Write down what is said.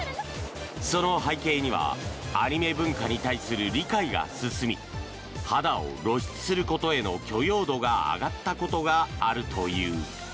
その背景にはアニメ文化に対する理解が進み肌を露出することへの許容度が上がったことがあるという。